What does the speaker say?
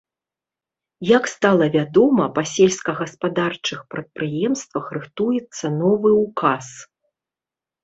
Як стала вядома, па сельскагаспадарчых прадпрыемствах рыхтуецца новы ўказ.